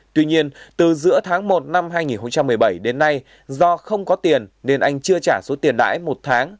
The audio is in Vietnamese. tuy nhiên từ giữa tháng một năm hai nghìn một mươi bảy đến nay do không có tiền nên anh chưa trả số tiền đãi một tháng